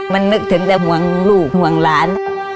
มันนึกถึงแต่ห่วงลูกห่วงหลาน